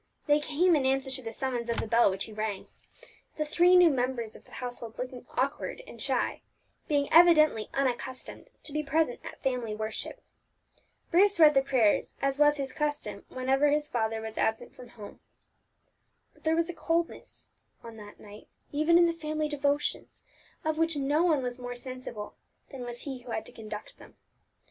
They came in answer to the summons of the bell which he rang the three new members of the household looking awkward and shy, being evidently unaccustomed to be present at family worship. Bruce read the prayers, as was his custom whenever his father was absent from home. But there was a coldness, on that night, even in the family devotions, of which no one was more sensible than was he who had to conduct them.